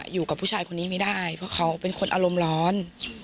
อยู่กับผู้ชายคนนี้ไม่ได้เพราะเขาเป็นคนอารมณ์ร้อน